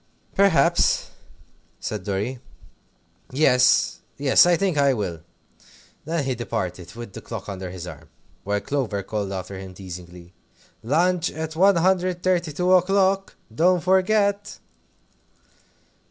"Perhaps," said Dorry; "yes, I think I will." Then he departed with the clock under his arm, while Clover called after him teasingly, "Lunch at 132 o'clock; don't forget!"